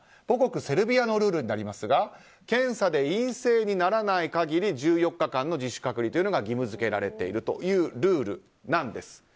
母国セルビアのルールですが検査で陰性にならない限り１４日間の自主隔離が義務付けられているというルールなんです。